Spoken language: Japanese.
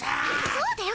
そうだよ